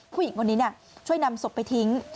ผู้หญิงวันนี้เนี่ยช่วยนำสมไปทิ้ง